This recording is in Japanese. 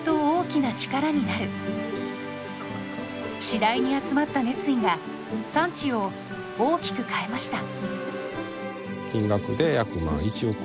次第に集まった熱意が産地を大きく変えました。